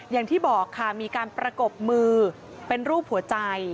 อย่างที่บอกค่ะมีการประกบมือเป็นรูปหัวใจ